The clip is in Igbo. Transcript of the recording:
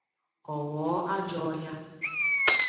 ọ ghọọ ajọ ọhịa